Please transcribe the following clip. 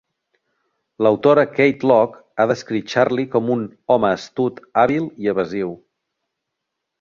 L'autora Kate Lock ha descrit Charlie com un "home astut, hàbil i evasiu".